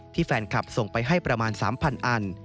แฟนคลับส่งไปให้ประมาณ๓๐๐อัน